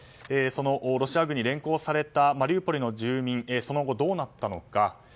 そのロシア軍に連行されたマリウポリの住民はその後どうなったのか。